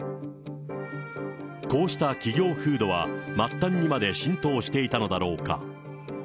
こうした企業風土は末端にまで浸透していたのだろうか。